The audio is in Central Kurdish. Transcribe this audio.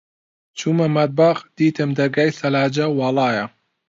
چوومە مەتبەخ، دیتم دەرگای سەلاجە واڵایە.